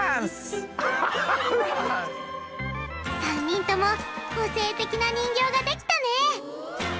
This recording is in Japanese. ３人とも個性的な人形ができたね！